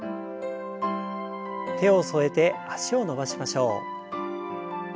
手を添えて脚を伸ばしましょう。